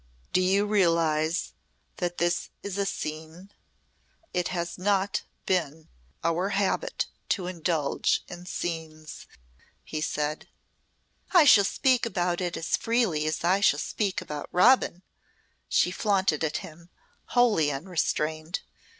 "Do you realise that this is a scene? It has not been our habit to indulge in scenes," he said. "I shall speak about it as freely as I shall speak about Robin," she flaunted at him, wholly unrestrained.